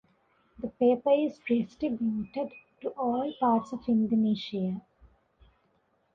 The paper is distributed to all parts of Indonesia.